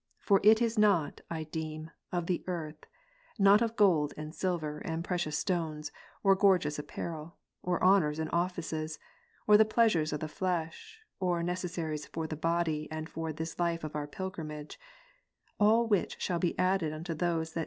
For it is not, I deem, of the earth, not of gold and silver, and precious stones, or gorgeous apparel, or honours and offices, or the pleasures of the flesh, or necessaries for the body and for this life of our pilgrimage; all which shall be added unto those that Mat.